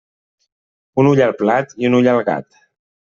Un ull al plat i un ull al gat.